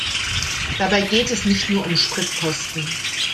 Dabei geht es nicht nur um Spritkosten.